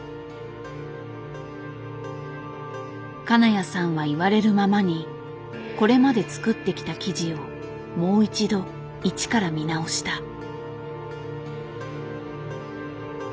金谷さんは言われるままにこれまで作ってきた生地をもう一度一から見直した。